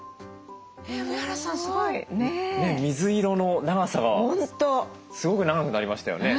水色の長さがすごく長くなりましたよね。